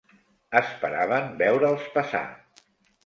Esperaven veure'ls passar